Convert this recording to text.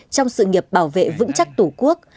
trong sự nghiệp bảo vệ vững chắc tổ quốc